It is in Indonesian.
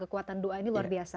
kekuatan doa ini luar biasa